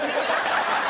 ハハハハ！